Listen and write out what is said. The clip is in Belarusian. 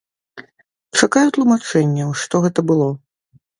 Чакаю тлумачэнняў, што гэта было.